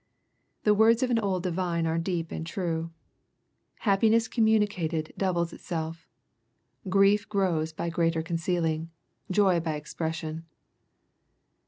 The words of an old divine are deep and true :" Happiness communicated doubles itself. Grief grows greater by concealing : joy by expression.''